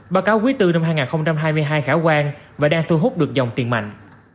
báo cáo quý bốn năm hai nghìn hai mươi hai khả quan và đang thu hút được dòng tiền mạnh